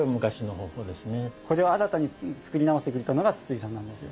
これを新たに作り直してくれたのが筒井さんなんですよ。